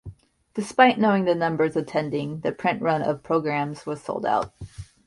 Despite knowing the numbers attending, the print run of programmes was sold out.